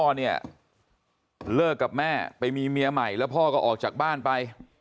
เนี่ยเลิกกับแม่ไปมีเมียใหม่แล้วพ่อก็ออกจากบ้านไป